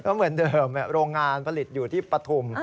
เหมือนเดิมโรงงานผลิตอยู่ที่ปฐุม